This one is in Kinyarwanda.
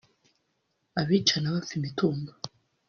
abicana bapfa imitungo